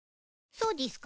そうでぃすか。